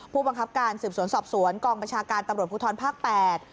ผู้บังคับการสืบสวนสอบสวนกองประชาการตำรวจภูทรภาคแปด